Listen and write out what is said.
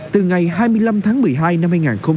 từ ngày hai mươi năm tháng một mươi hai năm hai nghìn hai mươi